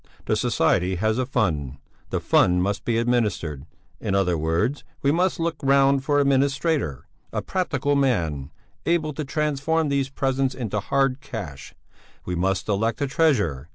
The Society has a fund; the fund must be administered; in other words, we must look round for an administrator, a practical man, able to transform these presents into hard cash; we must elect a treasurer.